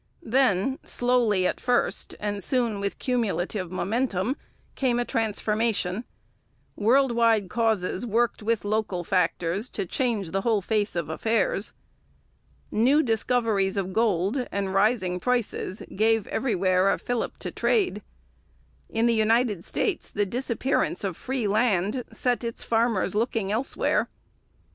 Then, slowly at first, and soon with cumulative momentum, came a transformation. World wide causes worked with local factors to change the whole face of affairs. New discoveries of gold and rising prices gave everywhere a fillip to trade. In the United States the disappearance of free land set its farmers looking elsewhere.